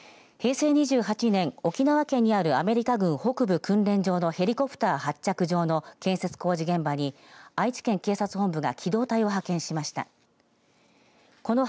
平成２８年、沖縄県にあるアメリカ軍北部訓練場のヘリコプター発着場の建設工事現場に愛知県警察本部が機動隊を派遣しました。